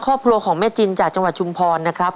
ครอบครัวของแม่จินจากจังหวัดชุมพรนะครับ